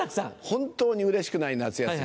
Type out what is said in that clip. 本当にうれしくない夏休み。